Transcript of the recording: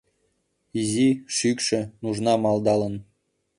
Изи, шӱкшӧ, нужна малдалын